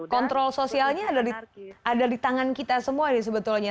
kontrol sosialnya ada di tangan kita semua ini sebetulnya